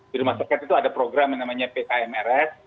di rumah sakit itu ada program yang namanya pkmrs